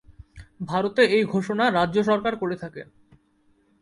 ভারতে এই ঘোষণা রাজ্য সরকার করে থাকেন।